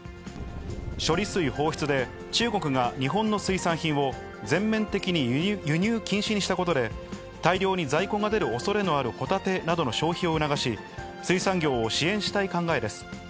処理水放出で、中国が日本の水産品を全面的に輸入禁止にしたことで、大量の在庫が出るおそれのあるホタテなどの消費を促し、水産業を支援したい考えです。